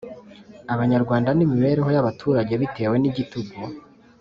Abanyarwanda n imibereho y abaturage Bitewe n igitugu